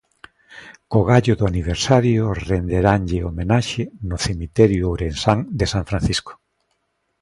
Co gallo do aniversario renderanlle homenaxe no cemiterio ourensán de San Francisco.